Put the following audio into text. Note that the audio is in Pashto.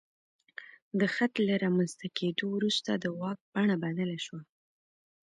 د خط له رامنځته کېدو وروسته د واک بڼه بدله شوه.